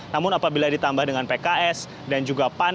namun apabila ditambah dengan pks dan juga pan